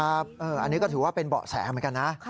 อันนี้ก็ถือว่าเป็นเบาะแสเหมือนกันนะ